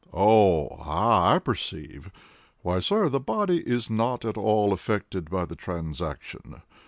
—oh! ah! I perceive. Why, sir, the body is not at all affected by the transaction.